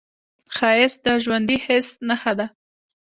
ښایست د ژوندي حس نښه ده